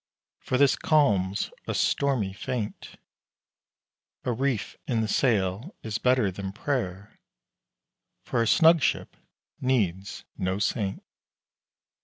For this calm's a stormy feint: A reef in the sail is better than prayer, For a snug ship needs no saint.